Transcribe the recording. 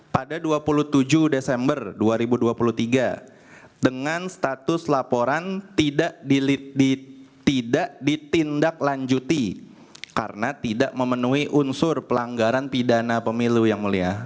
pada dua puluh tujuh desember dua ribu dua puluh tiga dengan status laporan tidak ditindaklanjuti karena tidak memenuhi unsur pelanggaran pidana pemilu yang mulia